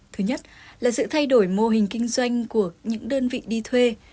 thứ nhất là sự thay đổi mô hình kinh doanh của những đơn vị đi thuê